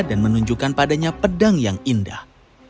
dan menunjukkan padanya pedang yang indah